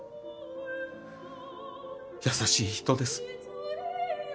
優しい人です。